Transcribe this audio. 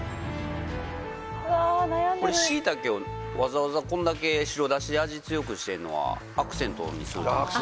これしいたけをわざわざこんだけ白出汁で味強くしてんのはアクセントにするためですか？